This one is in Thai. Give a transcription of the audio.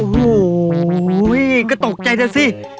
โหยก็ตกใจได้สิ